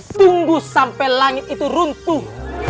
tunggu sampai langit itu runtuh